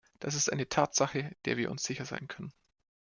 Das ist eine Tatsache, der wir uns sicher sein können.